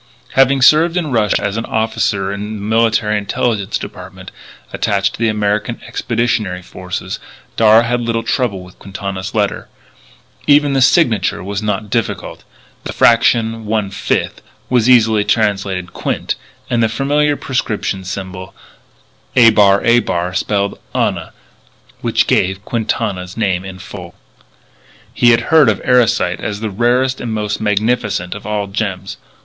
Having served in Russia as an officer in the Military Intelligence Department attached to the American Expeditionary Forces, Darragh had little trouble with Quintana's letter. Even the signature was not difficult, the fraction 1/5 was easily translated Quint; and the familiar prescription symbol [=a] [=a] spelled ana; which gave Quintana's name in full. He had heard of Erosite as the rarest and most magnificent of all gems.